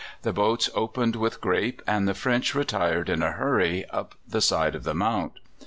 The boats opened with grape, and the French retired in a hurry up the side of the mount.